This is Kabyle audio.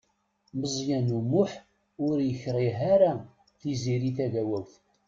Meẓyan U Muḥ ur yekṛig ara Tiziri Tagawawt.